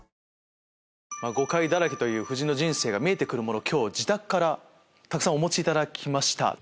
誤解だらけという夫人の人生が見えて来るものを自宅からたくさんお持ちいただきました。